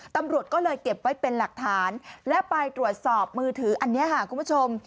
ตำรวจก็เลยเก็บไว้เป็นหลักฐานและไปตรวจสอบมือถืออันนี้ค่ะคุณผู้ชม